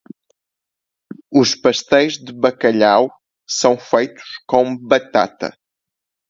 Os pastéis de bacalhau são feitos com batata.